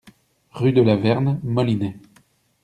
Rue de la Verne, Molinet